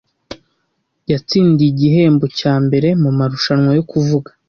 Yatsindiye igihembo cya mbere mumarushanwa yo kuvuga.